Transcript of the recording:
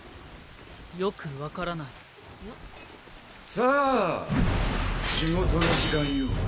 さあ仕事の時間よ。